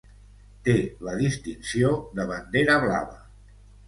Té la distinció de Bandera blava.